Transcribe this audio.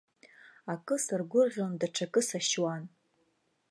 Акы саргәырӷьон, даҽакы сашьуан.